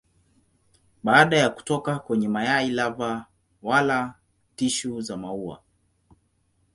Baada ya kutoka kwenye mayai lava wala tishu za maua.